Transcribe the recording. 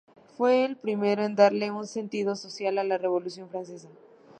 Fue el primero en darle un sentido social a la Revolución francesa.